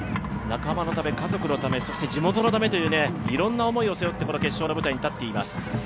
仲間のため、家族のため、地元のためといういろんな思いを背負ってこの決勝の舞台に立っています。